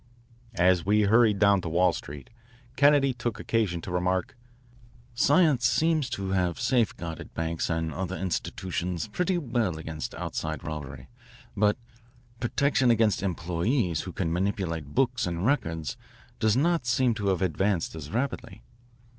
As we hurried down to Wall Street, Kennedy took occasion to remark, "Science seems to have safe guarded banks and other institutions pretty well against outside robbery. But protection against employees who can manipulate books and records does not seem to have advanced as rapidly.